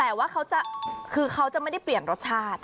แต่ว่าเขาจะคือเขาจะไม่ได้เปลี่ยนรสชาติ